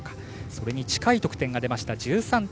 それに近い得点が出ました。１３．７００。